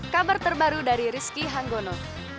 kabar terbaru dari rizky hanggono